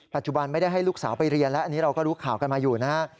ไม่ได้ให้ลูกสาวไปเรียนแล้วอันนี้เราก็รู้ข่าวกันมาอยู่นะฮะ